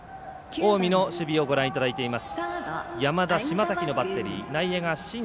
近江の守備をご覧いただいています。